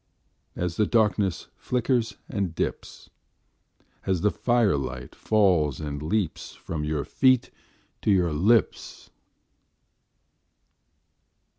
As the darkness flickers and dips, As the firelight falls and leaps From your feet to your lips!